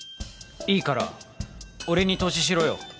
いいから俺に投資しろよ。